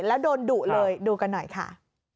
แล้วโดนดุเลยดูกันหน่อยค่ะ